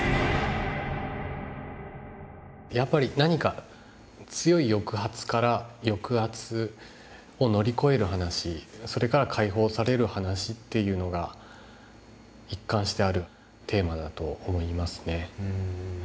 やっぱり何か強い抑圧から抑圧を乗り越える話それから解放される話っていうのが一貫してあるテーマだと思いますね。